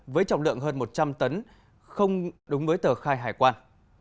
với trọng lượng hơn một trăm linh tấn không đúng với tờ khai hải quan